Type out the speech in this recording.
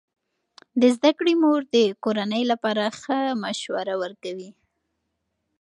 د زده کړې مور د کورنۍ لپاره ښه مشوره ورکوي.